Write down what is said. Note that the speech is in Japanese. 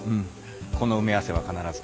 この埋め合わせは必ず。